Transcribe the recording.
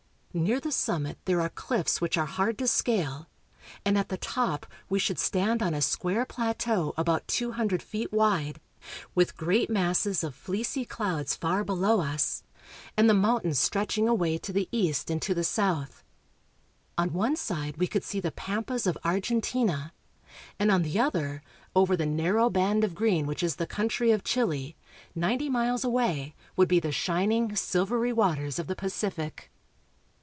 Near the summit Aconcagua. there are cliffs which are hard to scale, and at the top we should stand on a square plateau about two hundred feet wide, with great masses of fleecy clouds far below us, and the mountains stretching away to the east and to the south. On one side we could see the pampas of Argentina, and on the other, over the narrow band of green which is the country of Chile, ninety miles away, would be the shining, silvery waters of the Pacific.